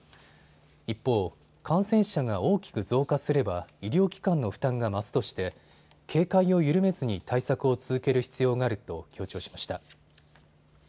一方、感染者が大きく増加すれば医療機関の負担が増すとして警戒を緩めずに対策を続ける必要があると強調しました。